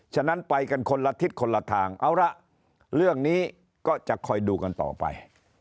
ฉะนั้นไปกันคนละทิศคนละทางเอาละเรื่องนี้ก็จะคอยดูกันต่อไป